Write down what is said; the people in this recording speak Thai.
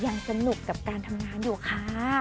ยังสนุกกับการทำงานอยู่ค่ะ